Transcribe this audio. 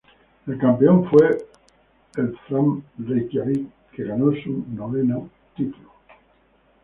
El campeón fue el Fram Reykjavik, que ganó su noveno título.